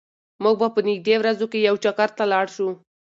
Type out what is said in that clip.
موږ به په نږدې ورځو کې یو چکر ته لاړ شو.